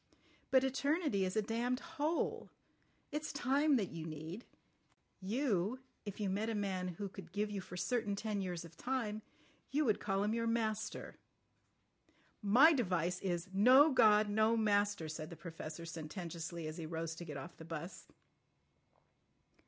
But eternity is a damned hole. It's time that you need. You—if you met a man who could give you for certain ten years of time, you would call him your master." "My device is: No God! No Master," said the Professor sententiously as he rose to get off the 'bus.